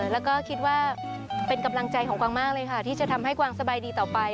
แล้วก็คิดว่าเป็นกำลังใจของกวางมากเลยค่ะที่จะทำให้กวางสบายดีต่อไป